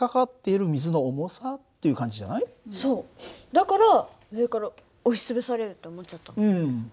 だから上から押し潰されるって思っちゃった。